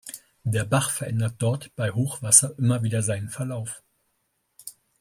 Der Bach verändert dort bei Hochwasser immer wieder seinen Verlauf.